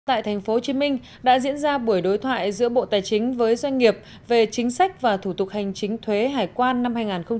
tại tp hcm đã diễn ra buổi đối thoại giữa bộ tài chính với doanh nghiệp về chính sách và thủ tục hành chính thuế hải quan năm hai nghìn hai mươi